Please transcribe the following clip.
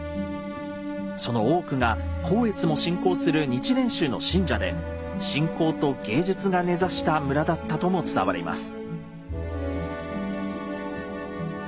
その多くが光悦も信仰する日蓮宗の信者で信仰と芸術が根ざした村だったとも伝わります。